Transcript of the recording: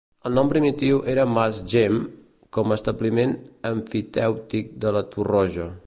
El nom primitiu era Mas Gem, com establiment emfitèutic de la Torroja.